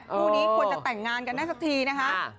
คู่นี้ควรจะแต่งงานกันได้สักทีนะคะ